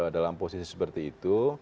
dalam posisi seperti itu